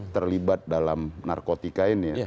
terlibat dalam narkotika ini